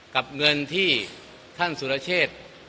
กับเงินที่ท่านสุรเชษ